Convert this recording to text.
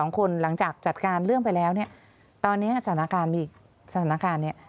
๒คนหลังจากจัดการเรื่องไปแล้วเนี่ยตอนนี้สถานการณ์มีอีกสถานการณ์เนี่ย